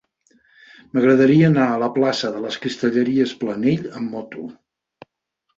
M'agradaria anar a la plaça de les Cristalleries Planell amb moto.